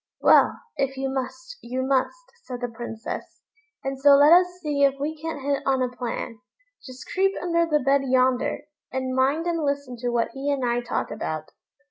"Well, if you must, you must," said the Princess; "and so let us see if we can't hit on a plan. Just creep under the bed yonder, and mind and listen to what he and I talk about.